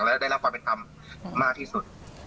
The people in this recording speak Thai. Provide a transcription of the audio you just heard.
และได้รับความวิธีทำมากที่สุด